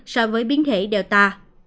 so với biến thể delta